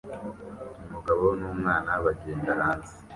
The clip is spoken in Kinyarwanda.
Umugabo n'umwana bagenda hanze